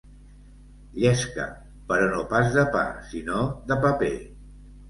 Llesca, però no pas de pa, sinó de paper.